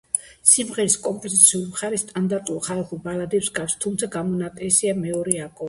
სიმღერის კომპოზიციური მხარე სტანდარტულ ხალხურ ბალადებს ჰგავს, თუმცა გამონაკლისია მეორე აკორდი.